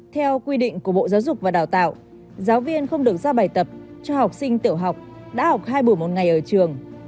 theo quy định của bộ giáo dục và đào tạo giáo viên không được giao bài tập cho học sinh tiểu học đã học hai buổi một ngày ở trường